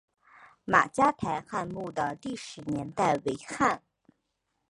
马家台汉墓的历史年代为汉。